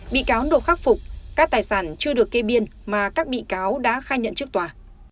bị cáo nộp khắc phục các tài sản chưa được kê biên mà các bị cáo đã khai nhận trước tòa